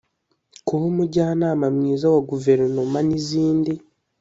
kuba umujyanama mwiza wa guverinoma n izindi